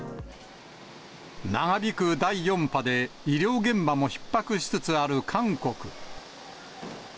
長引く第４波で、医療現場もひっ迫しつつある韓国。